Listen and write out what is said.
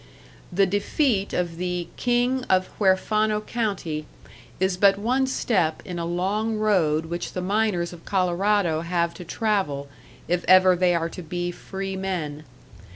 The defeat of the "King of Huerfano County" is but one step in a long road which the miners of Colorado have to travel if ever they are to be free men.